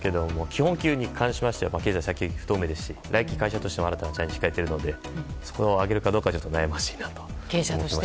基本給に関しましては経済が不透明ですし来期、会社としても新たなチャレンジを控えていますのでそこをあげるかどうかは悩ましいなと。